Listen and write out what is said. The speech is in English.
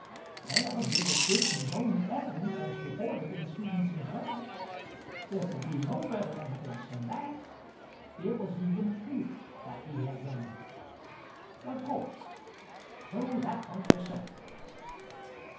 Well, here was Goodson's own evidence as reported in Stephenson's letter; there could be no better evidence than that it was even proof that he had rendered it. Of course. So that point was settled.